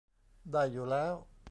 ได้อยู่แล้ว